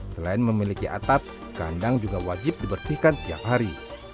selain memiliki atap kandang juga wajib dibersihkan tiap hari